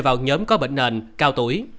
thuộc nhóm có bệnh nền cao tuổi